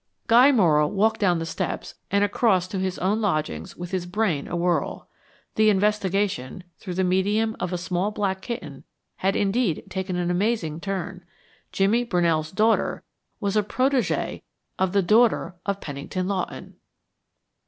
Guy Morrow walked down the steps and across to his own lodgings with his brain awhirl. The investigation, through the medium of a small black kitten, had indeed taken an amazing turn. Jimmy Brunell's daughter was a protégée of the daughter of Pennington Lawton!